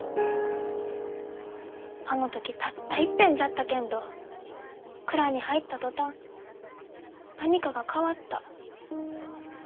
あの時たったいっぺんじゃったけんど蔵に入った途端何かが変わった。